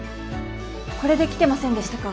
これで来てませんでしたか？